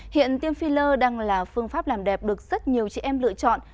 hiện tiêm phi lơ đang là phương pháp làm đẹp được rất nhiều chị em lựa chọn